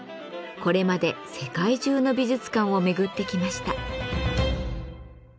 これまで世界中の美術館を巡ってきました。